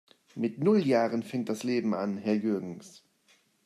Mit null Jahren fängt das Leben an, Herr Jürgens!